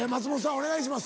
お願いします。